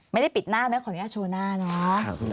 ไม่ได้ปิดหน้านะขออนุญาตโชว์หน้าเนาะ